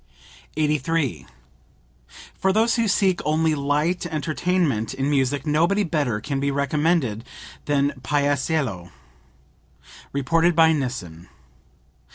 83. "For those who seek only light entertainment in music nobody better can be recommended than Paisiello." (Reported by Nissen.